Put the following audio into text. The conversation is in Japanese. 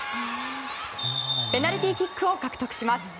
ペナルティーキックを獲得します。